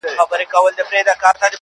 زه نو بيا څنگه مخ در واړومه.